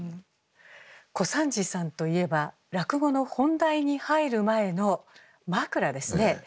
小三治さんといえば落語の本題に入る前の枕ですね。